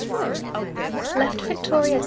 Left Victoria at 7.